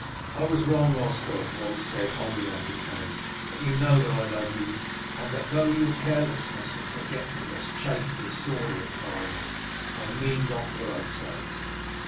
"I was wrong, Osgod," Wulf said, holding out his hand, "but you know that I love you, and that though your carelessness and forgetfulness chafe me sorely at times, I mean not what I say."